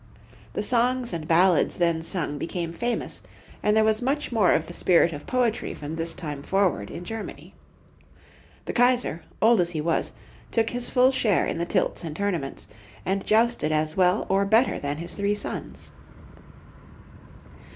The songs and ballads then sung became famous, and there was much more of the spirit of poetry from this time forward in Germany. The Kaisar, old as he was, took his full share in the tilts and tournaments, and jousted as well or better than his three sons.